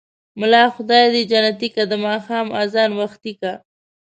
ملا خداى دى جنتې که ـ د ماښام ازان وختې که.